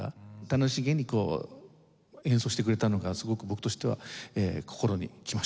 楽しげに演奏してくれたのがすごく僕としては心に来ました。